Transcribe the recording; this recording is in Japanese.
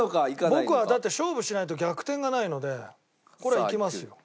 僕はだって勝負しないと逆転がないのでこれはいきますよ。